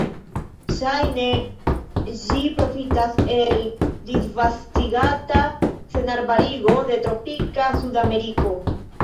Ŝajne ĝi profitas el disvastigata senarbarigo de tropika Sudameriko.